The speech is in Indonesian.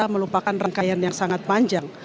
melupakan rangkaian yang sangat panjang